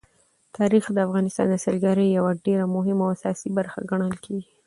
تاریخ د افغانستان د سیلګرۍ یوه ډېره مهمه او اساسي برخه ګڼل کېږي.